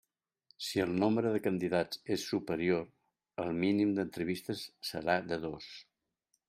Si el nombre de candidats és superior, el mínim d'entrevistes serà de dos.